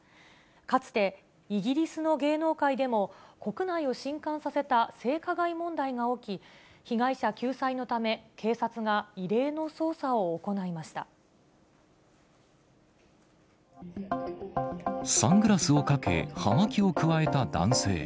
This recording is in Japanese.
かつて、イギリスの芸能界でも国内をしんかんさせた性加害問題が起き、被害者救済のため、サングラスをかけ、葉巻をくわえた男性。